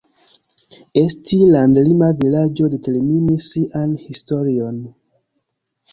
Esti landlima vilaĝo determinis sian historion.